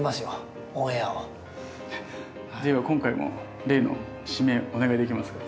では今回も例の締めお願いできますか？